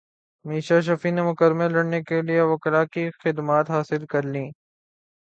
میشا شفیع نے مقدمہ لڑنے کیلئے وکلاء کی خدمات حاصل کرلیں